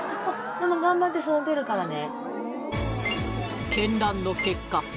ママ頑張って育てるからね。